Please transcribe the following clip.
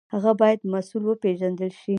هغه باید مسوول وپېژندل شي.